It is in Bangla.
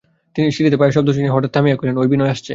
সিঁড়িতে পায়ের শব্দ শুনিয়া হঠাৎ থামিয়া কহিলেন, ঐ বিনয় আসছে।